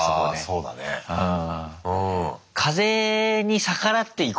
そうねうん。